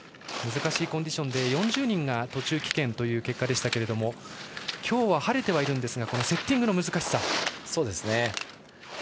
難しいコンディションで４０人が途中棄権という結果でしたけど今日は晴れてはいますがセッティングの難しさ。